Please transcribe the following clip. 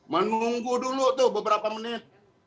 menunggu dulu tuh beberapa menit